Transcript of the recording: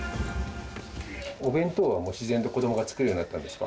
お弁当は自然と子供が作るようになったんですか？